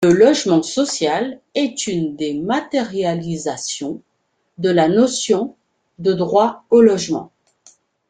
Le logement social est une des matérialisations de la notion de droit au logement.